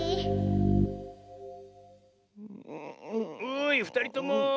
おいふたりとも。